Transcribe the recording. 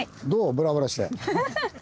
ブラブラして。